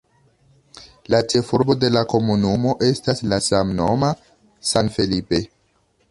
La ĉefurbo de la komunumo estas la samnoma San Felipe.